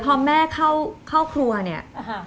พอแม่เข้าครัวเนี่ย